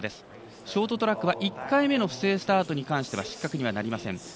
ショートトラックは１回目の不正スタートについては失格にはなりません。